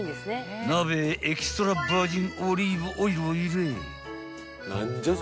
［鍋へエキストラバージンオリーブオイルを入れ］